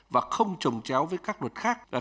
và không trồng chéo với nền kinh tế